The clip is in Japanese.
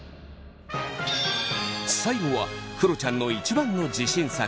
最後はくろちゃんの一番の自信作